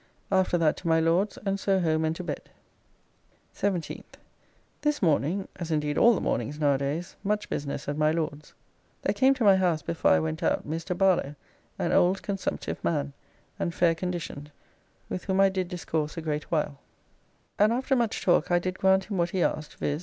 After that to my Lord's and so home and to bed. 17th. This morning (as indeed all the mornings nowadays) much business at my Lord's. There came to my house before I went out Mr. Barlow, an old consumptive man, and fair conditioned, with whom I did discourse a great while, and after much talk I did grant him what he asked, viz.